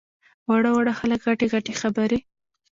واړه واړه خلک غټې غټې خبرې!